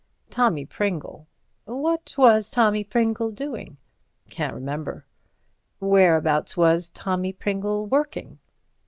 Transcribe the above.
"Tommy Pringle." "What was Tommy Pringle doing?" "Can't remember." "Whereabouts was Tommy Pringle working?"